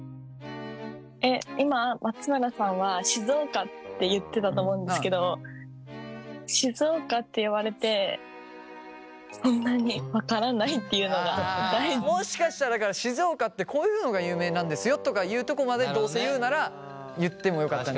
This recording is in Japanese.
今松村さんは静岡って言ってたと思うんですけどもしかしたらだから静岡ってこういうのが有名なんですよとかいうとこまでどうせ言うなら言ってもよかったのかなとか。